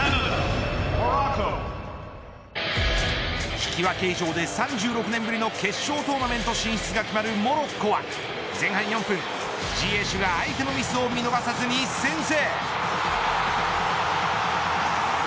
引き分け以上で３６年ぶりの決勝トーナメント進出が決まるモロッコは前半４分ジエシュが相手のミスを見逃さず先制。